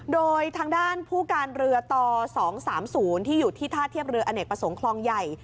โดยทางด้านผู้การเรือต่อ๒๓๐ที่อยู่ที่ท่าเทียบเรืออเนกประสงค์คลองใหญ่